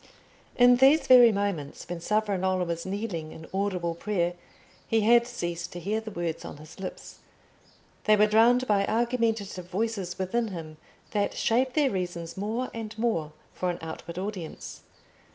In these very moments, when Savonarola was kneeling in audible prayer, he had ceased to hear the words on his lips. They were drowned by argumentative voices within him that shaped their reasons more and more for an outward audience.